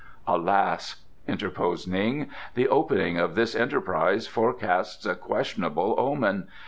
"Alas!" interposed Ning, "the opening of this enterprise forecasts a questionable omen.